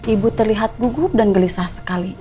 ibu terlihat gugup dan gelisah sekali